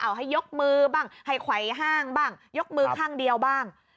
เอาให้ยกมือบ้างให้ไขว้ห้างบ้างยกมือข้างเดียวบ้าง